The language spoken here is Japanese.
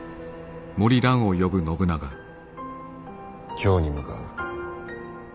京に向かう。